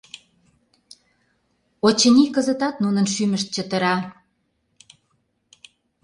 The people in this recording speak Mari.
Очыни, кызытат нунын шӱмышт чытыра.